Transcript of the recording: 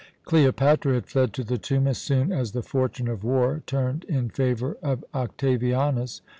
Cleopatra had fled to the tomb as soon as the fortune of war turned in favour of Octavianus.